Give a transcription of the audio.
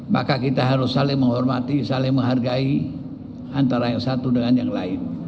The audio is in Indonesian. maka kita harus saling menghormati saling menghargai antara yang satu dengan yang lain